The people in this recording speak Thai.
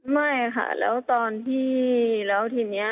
ไม่ค่ะแล้วตอนที่แล้วทีนี้